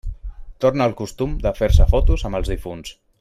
Torna el costum de fer-se fotos amb els difunts.